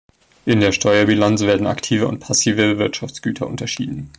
In der Steuerbilanz werden aktive und passive Wirtschaftsgüter unterschieden.